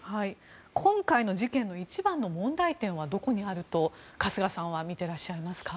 今回の事件の一番の問題点はどこにあると春日さんはみていらっしゃいますか。